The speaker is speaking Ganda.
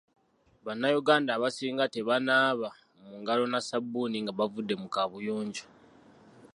Bannayuganda abasinga tebanaaba mu ngalo na sabbuuni nga bavudde mu kaabuyonjo.